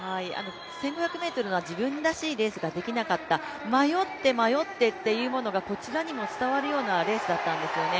１５００ｍは自分らしいレースができなかった、迷って迷ってっていうものがこちらにも伝わるようなレースだったんですよね。